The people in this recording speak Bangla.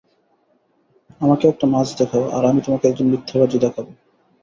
আমাকে একটা মাছ দেখাও, আর আমি তোমাকে একজন মিথ্যাবাদী দেখাব।